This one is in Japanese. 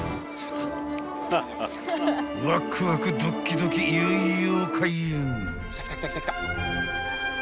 ［ワクワクドキドキいよいよ］